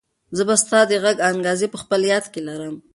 زه به ستا د غږ انګازې په خپل یاد کې لرم.